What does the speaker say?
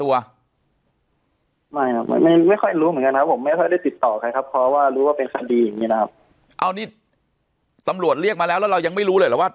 เอานี่ตำรวจเรียกมาแล้วแล้วเรายังไม่รู้เลยเหรอว่า